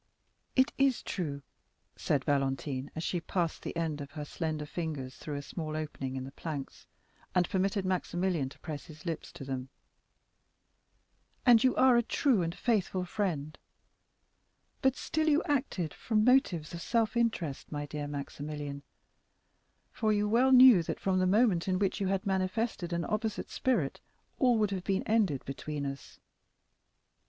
30055m "It is true," said Valentine, as she passed the end of her slender fingers through a small opening in the planks, and permitted Maximilian to press his lips to them, "and you are a true and faithful friend; but still you acted from motives of self interest, my dear Maximilian, for you well knew that from the moment in which you had manifested an opposite spirit all would have been ended between us.